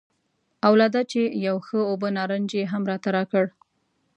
او لا دا چې یو ښه اوبه نارنج یې هم راته راکړ.